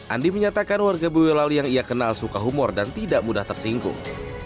andi menyatakan warga boyolali yang ia kenal suka humor dan tidak mudah tersinggung